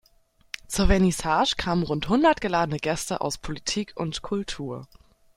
Zur Vernissage kamen rund hundert geladene Gäste aus Politik und Kultur.